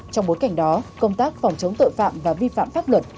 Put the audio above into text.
trong bối cảnh đó công tác phòng chống tội phạm và vi phạm pháp luật